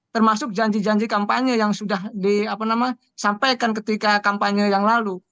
termasuk janji janji kampanye yang sudah di apa namanya sampaikan ketika kampanye yang lalu